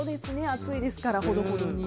暑いですからほどほどに。